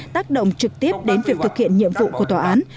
tác động trực tiếp đến việc thực hiện nhiệm vụ của tòa án